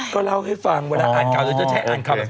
ก็เล่าให้ฟังว่าอ่านกล่าวจะแชะอ่านคำ